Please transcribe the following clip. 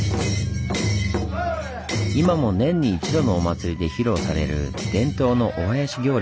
今も年に一度のお祭りで披露される伝統のお囃子行列。